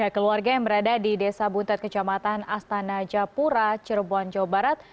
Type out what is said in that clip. keluarga yang berada di desa buntet kecamatan astana japura cirebon jawa barat